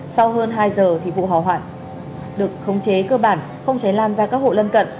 sau hơn hai giờ thì vụ hỏa hoạn được khống chế cơ bản không cháy lan ra các hộ lân cận